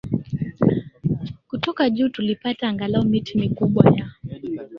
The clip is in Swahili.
kutoka juu Tulipata angalau miti mikubwa ya